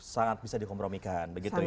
sangat bisa dikompromikan begitu ya